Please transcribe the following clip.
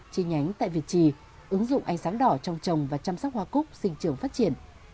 chi nhánh tại việt trì ứng dụng ánh sáng đỏ trong trồng và chăm sóc hoa cúc sinh trường phát triển